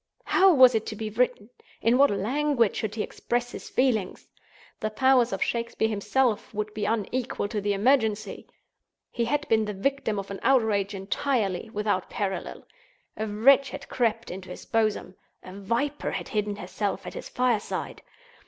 How was it to be written? In what language should he express his feelings? The powers of Shakespeare himself would be unequal to the emergency! He had been the victim of an outrage entirely without parallel. A wretch had crept into his bosom! A viper had hidden herself at his fireside!